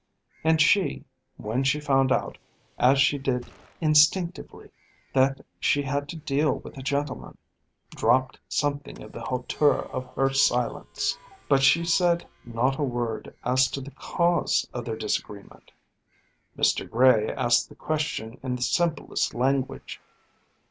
And she, when she found out, as she did instinctively, that she had to deal with a gentleman, dropped something of the hauteur of her silence. But she said not a word as to the cause of their disagreement. Mr. Gray asked the question in the simplest language.